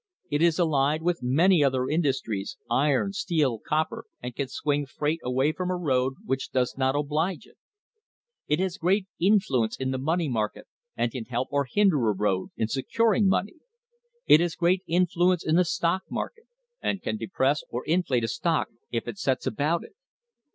It is allied with many other industries, iron, steel, and copper, and can swing freight away from a road which does not oblige it. It has great influ ence in the money market and can help or hinder a road in securing money. It has great influence in the stock market and can depress or inflate a stock if it sets about it.